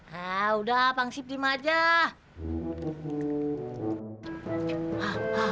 hah udah pangsip dimajah